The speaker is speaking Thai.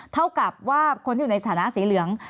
เท่ากับว่าคนที่อยู่ในสถานะสีเหลือง